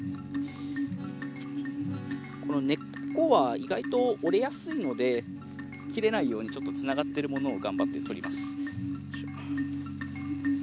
この根っこは意外と折れやすいので切れないようにちょっとつながってるものを頑張って採ります。